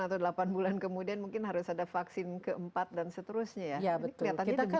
atau delapan bulan kemudian mungkin harus ada vaksin keempat dan seterusnya ya ini kelihatannya dekat